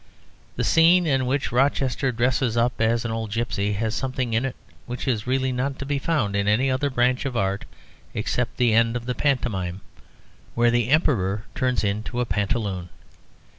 The scene in which Rochester dresses up as an old gipsy has something in it which is really not to be found in any other branch of art, except in the end of the pantomime, where the Emperor turns into a pantaloon.